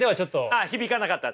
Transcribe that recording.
ああ響かなかった？